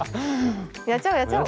やっちゃおうやっちゃおう。